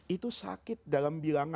itu sakit dalam bilangan kita